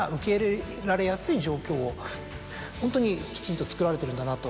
ホントにきちんとつくられてるんだなと。